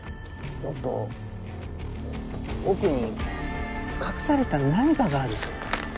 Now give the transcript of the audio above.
もっと奥に隠された何かがある。